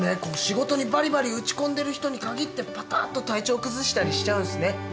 こう仕事にばりばり打ち込んでる人に限ってぱたっと体調崩したりしちゃうんすね。